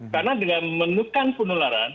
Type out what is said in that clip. karena dengan menekan penularan